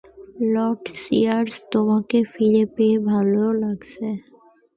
Lord cheers তোমাকে ফিরে পেয়ে ভালো লাগছে।